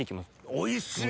おいしい！